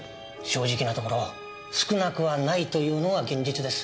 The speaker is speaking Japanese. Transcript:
正直なところ少なくはないというのが現実です。